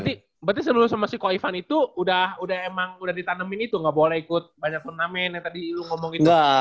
berarti sebelum sama si koi fan itu udah emang udah ditanemin itu gak boleh ikut banyak turnamen yang tadi lu ngomong itu